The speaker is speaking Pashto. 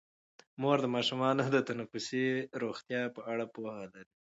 مور د ماشومانو د تنفسي روغتیا په اړه پوهه لري.